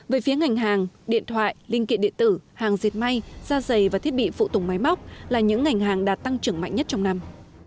về phía ngành hàng điện thoại linh kiện điện tử hàng dệt may da dày và thiết bị phụ tùng máy móc là những ngành hàng đạt tăng trưởng mạnh nhất trong năm